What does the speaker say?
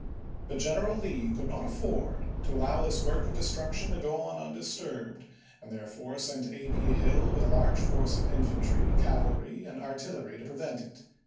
But General Lee could not afford to allow this work 430 ABKAHAM LINCOLN ch. xviii. of destruction to go on undisturbed, and therefore sent A. P. Hill with a large force of infantry, cav alry, and artillery to prevent it.